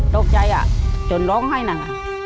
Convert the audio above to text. ตกใจจนร้องไห้นั่น